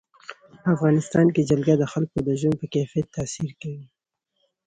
په افغانستان کې جلګه د خلکو د ژوند په کیفیت تاثیر کوي.